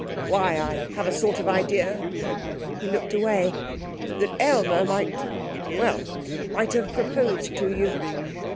'Why, I have a sort of idea,' he looked away, 'that Aylmer might well, might have proposed to you!'